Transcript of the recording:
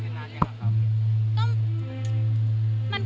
พี่พรีตีกับพ่อกุศินานะครับ